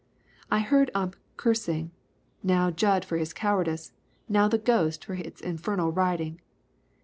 I heard Ump cursing, now Jud for his cowardice, now the ghost for its infernal riding.